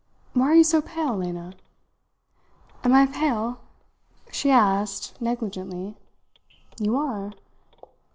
Why are you so pale, Lena?" "Am I pale?" she asked negligently. "You are."